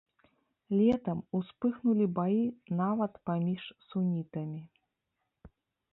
Летам успыхнулі баі нават паміж сунітамі.